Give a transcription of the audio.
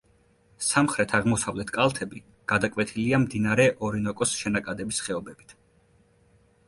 სამხრეთ-აღმოსავლეთ კალთები გადაკვეთილია მდინარე ორინოკოს შენაკადების ხეობებით.